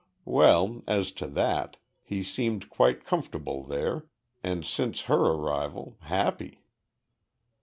Well, as to that, he seemed quite comfortable there, and since her arrived, happy.